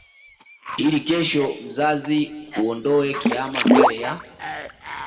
ili kesho mzazi uondoe kihama mbele ya